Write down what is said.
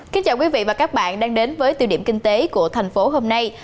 kính chào quý vị và các bạn đang đến với tiêu điểm kinh tế của thành phố hôm nay